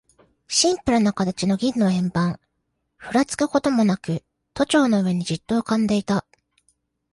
シンプルな形の銀の円盤、ふらつくこともなく、都庁の上にじっと浮んでいた。